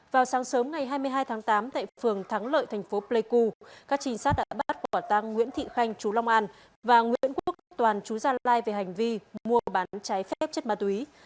vào sáng sớm ngày hai mươi hai tháng tám tại phường thắng lợi thành phố pleiku các trinh sát đã bắt quả tăng nguyễn thị khanh chú long an và nguyễn quốc toàn chú gia lai về hành vi mua bán trái phép chất ma túy